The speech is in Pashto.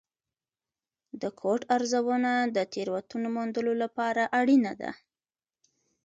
د کوډ ارزونه د تېروتنو موندلو لپاره اړینه ده.